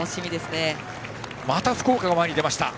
また福岡が前に出た。